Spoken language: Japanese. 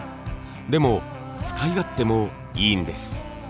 でも使い勝手もいいんです。